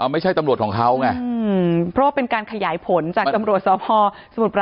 ไม่ใช่ตำรวจของเขาไงอือเพราะว่าเป็นการขยายผลจากตำรวจสอพศ